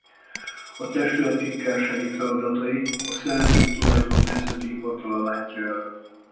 A Testület titkársági feladatait a Szellemi Tulajdon Nemzeti Hivatala látja el.